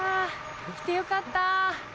来てよかった。